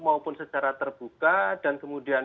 maupun secara terbuka dan kemudian